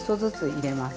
入れます。